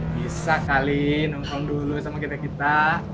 bisa kali nongkrong dulu sama kita kita